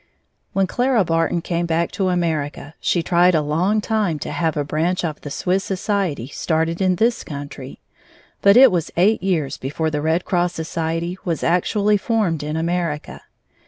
When Clara Barton came back to America, she tried a long time to have a branch of the Swiss society started in this country, but it was eight years before the Red Cross Society was actually formed in America.